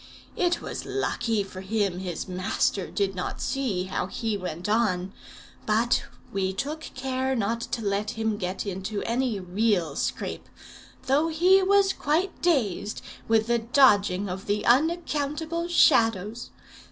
It was lucky for him his master did not see how he went on; but we took care not to let him get into any real scrape, though he was quite dazed with the dodging of the unaccountable shadows.